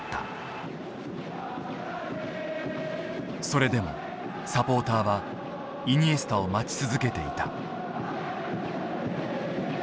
それでもサポーターはイニエスタを待ち続けていた。